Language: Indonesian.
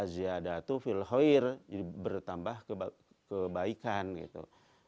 jadi bertambah kebaikan gitu